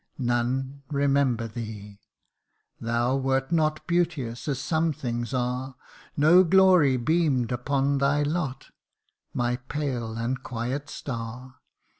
' None remember thee ! thou wert not Beauteous as some things are ; No glory beam'd upon thy lot, My pale and quiet star.